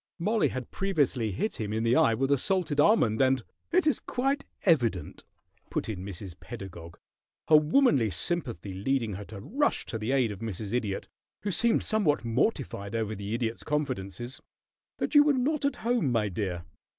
Mollie had previously hit him in the eye with a salted almond, and " "It is quite evident," put in Mrs. Pedagog, her womanly sympathy leading her to rush to the aid of Mrs. Idiot, who seemed somewhat mortified over the Idiot's confidences, "that you were not at home, my dear.